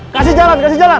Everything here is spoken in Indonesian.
kasih jalan kasih jalan